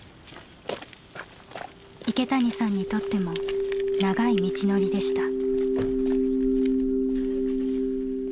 池谷さんにとっても長い道のりでした。